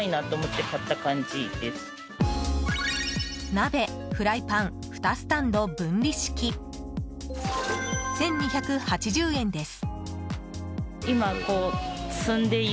鍋・フライパン・ふたスタンド分離式、１２８０円です。